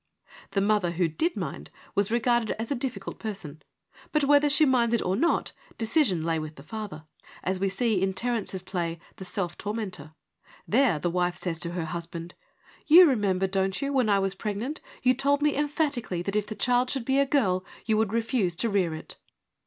The mother who did mind was regarded as a difficult person, but whether she minded or not, decision lay with the father — as we see in Terence's play, The Self Tormentor. There the wife says to her husband, ' You remember, don't you, when I was pregnant, you told me emphatically that if the child should be a girl you would refuse to rear it.'